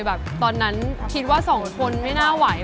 แบบตอนนั้นคิดว่าสองคนไม่น่าไหว